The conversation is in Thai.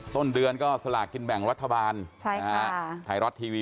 ต้นเดือนก็สลากกินแบ่งรัฐบาลใช่ค่ะถ่ายรอดทีวี